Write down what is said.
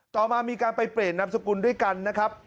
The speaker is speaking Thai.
ต่อมามีการไปเปลี่ยนนามสกุลด้วยกันนะครับ